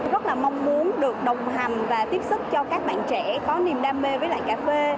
rất là mong muốn được đồng hành và tiếp sức cho các bạn trẻ có niềm đam mê với lại cà phê